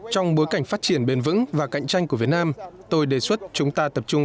trong bối cảnh phát triển bền vững và cạnh tranh của việt nam tôi đề xuất chúng ta tập trung